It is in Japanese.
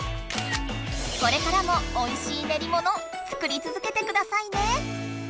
これからもおいしいねりもの作りつづけてくださいね！